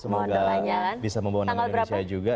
semoga bisa membawa nama indonesia juga